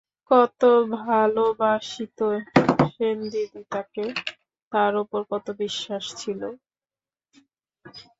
কত ভালোবাসিত সেনদিদি তাকে, তার উপর কত বিশ্বাস ছিল।